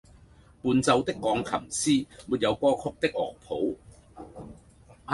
伴奏的鋼琴師沒有歌曲的樂譜